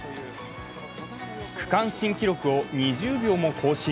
区間新記録を２０秒も更新。